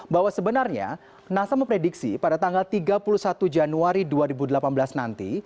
bahwa sebenarnya nasa memprediksi pada tanggal tiga puluh satu januari dua ribu delapan belas nanti